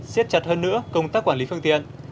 xiết chặt hơn nữa công tác quản lý phương tiện